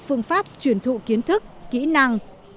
phương pháp truyền thụ kiến thức kỹ năng